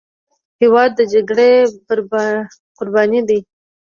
هېواد د جګړې قرباني دی.